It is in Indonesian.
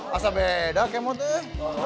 masa beda kemot itu